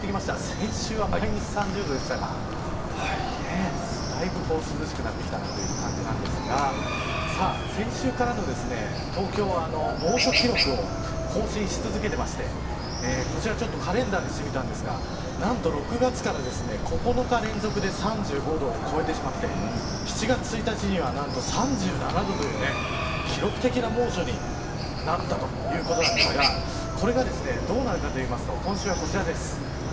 先週は毎日３０度でしたがだいぶ、涼しくなってきたなという感じなんですが先週からの東京は、猛暑記録を更新し続けてましてこちら、ちょっとカレンダーにしてみたんですが何と６月から９日連続で３５度を超えてしまって７月１日には何と３７度というね記録的な猛暑になったということなんですがこれが、どうなるかというと今週はこちらです。